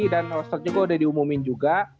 dan rosternya gue udah diumumin juga